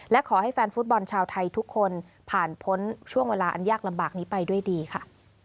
และขอให้แฟนฟุตบอลชาวไทยทุกคนผ่านพ้นช่วงเวลาอันยากลำบากนี้ไปด้วยดีค่ะ